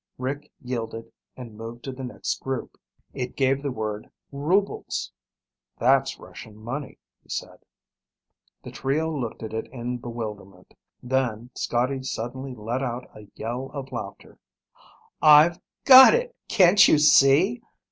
Rick yielded and moved to the next group. It gave the word "rubles." "That's Russian money," he said. The trio looked at it in bewilderment, then Scotty suddenly let out a yell of laughter. "I've got it! Can't you see?